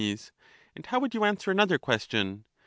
And how would you answer another question